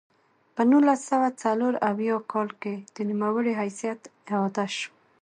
په نولس سوه څلور اویا کال کې د نوموړي حیثیت اعاده شو.